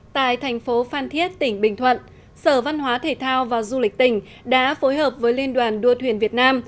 tại thành phố phan thiết tỉnh bình thuận sở văn hóa thể thao và du lịch tỉnh đã phối hợp với liên đoàn đua thuyền việt nam